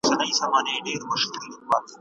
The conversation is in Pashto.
پکښې هیڅ پاتې نه دي.